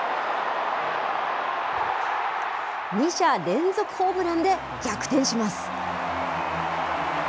２者連続ホームランで逆転します。